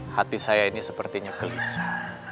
hati saya ini sepertinya gelisah